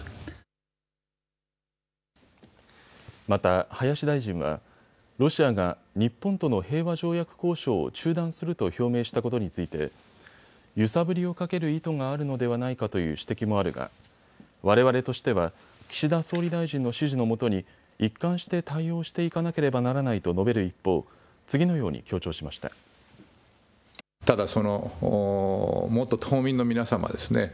また林大臣はロシアが日本との平和条約交渉を中断すると表明したことについて揺さぶりをかける意図があるのではないかという指摘もあるがわれわれとしては岸田総理大臣の指示のもとに一貫して対応していかなければならないと述べる一方、次のように強調しました。